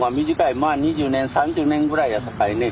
まあ２０年３０年ぐらいやさかいね。